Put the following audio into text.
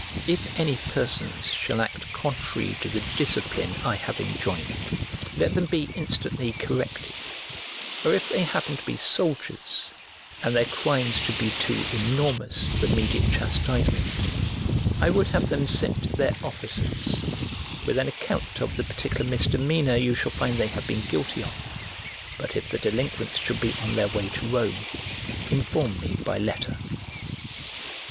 If any persons shall act contrary to the discipline I have enjoined, let them be instantly corrected; or if they happen to be soldiers, and their crimes should be too enormous for immediate chastisement, I would have them sent to their officers, with an account of the particular misdemeanour you shall find they have been guilty of; but if the delinquents should be on their way to Rome, inform me by letter.